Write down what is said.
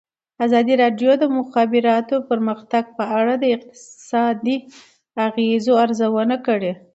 ازادي راډیو د د مخابراتو پرمختګ په اړه د اقتصادي اغېزو ارزونه کړې.